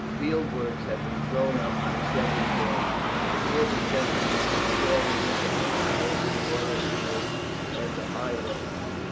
Field works had been thrown up at several points, and near the centre were two strong redoubts commanding Borodino and the high road.